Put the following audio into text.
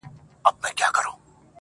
لا به دي غوغا د حسن پورته سي کشمیره،